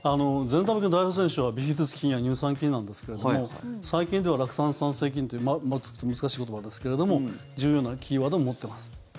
善玉菌の代表選手はビフィズス菌や乳酸菌なんですけれども最近では酪酸産生菌というちょっと難しい言葉ですけども重要なキーワードを持っています。